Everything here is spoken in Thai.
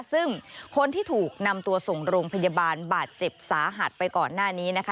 ซึ่งคนที่ถูกนำตัวส่งโรงพยาบาลบาดเจ็บสาหัสไปก่อนหน้านี้นะคะ